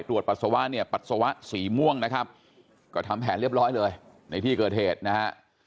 ปัสสาวะเนี่ยปัสสาวะสีม่วงนะครับก็ทำแผนเรียบร้อยเลยในที่เกิดเหตุนะฮะ